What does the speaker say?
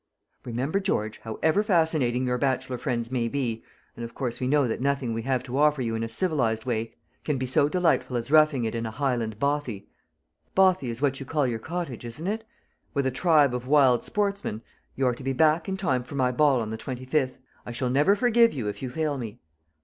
"Remember, George, however fascinating your bachelor friends may be and of course we know that nothing we have to offer you in a civilized way can be so delightful as roughing it in a Highland bothy (bothy is what you call your cottage, isn't it?) with a tribe of wild sportsmen you are to be back in time for my ball on the twenty fifth. I shall never forgive you, if you fail me."